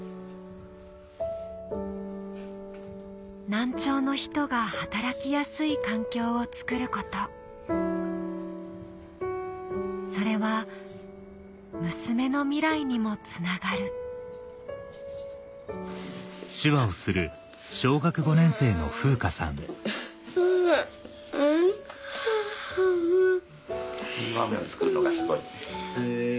難聴の人が働きやすい環境をつくることそれは娘の未来にもつながる「りんご飴を作るのがすごい」って。